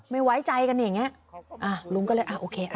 อ๋อไม่ไว้ใจกันอย่างเงี้ยลุงก็เลยอะโอเค